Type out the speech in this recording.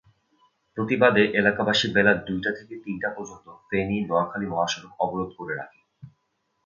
প্রতিবাদে এলাকাবাসী বেলা দুইটা থেকে তিনটা পর্যন্ত ফেনী-নোয়াখালী মহাসড়ক অবরোধ করে রাখে।